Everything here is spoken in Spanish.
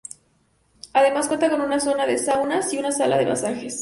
Además cuenta con una zona de saunas y una sala de masajes.